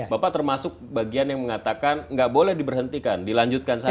bapak termasuk bagian yang mengatakan nggak boleh diberhentikan dilanjutkan saja